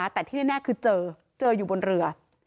แต่ที่แน่คือเจอเจออยู่บนเรือ